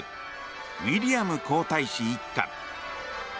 ウィリアム皇太子一家。